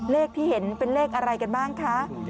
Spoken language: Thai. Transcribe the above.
เลขที่เห็นเป็นเลขอะไรกันบ้างคะ